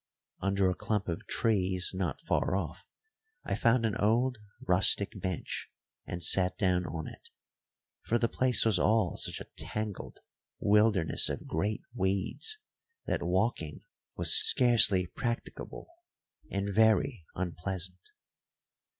Under a clump of trees not far off I found an old rustic bench, and sat down on it; for the place was all such a tangled wilderness of great weeds that walking was scarcely practicable and very unpleasant.